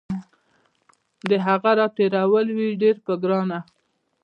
د هغه راتېرول وي ډیر په ګرانه